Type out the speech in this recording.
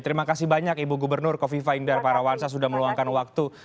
terima kasih banyak ibu gubernur kofi faingdar para wansa sudah meluangkan waktu